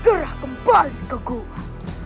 aku harus gerak kembali ke gua